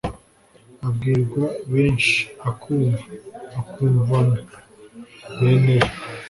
Abwirwa benshi akumva (akwumvwa na) bene yo.